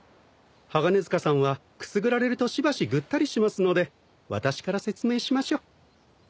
鋼鐵塚さんはくすぐられるとしばしぐったりしますので私から説明しましょ。